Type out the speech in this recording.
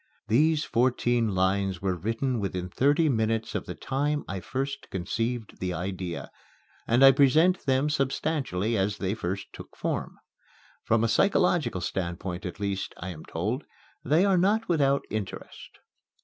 These fourteen lines were written within thirty minutes of the time I first conceived the idea; and I present them substantially as they first took form. From a psychological standpoint at least, I am told, they are not without interest.